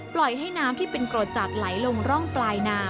ปล่อยให้น้ำที่เป็นกรดจากไหลลงร่องปลายนา